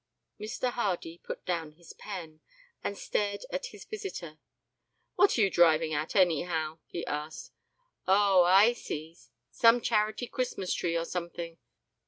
Mr. Hardy put down his pen, and stared at his visitor. "What are you driving at, anyhow?" he asked. "Oh, I see; some charity Christmas tree, or something.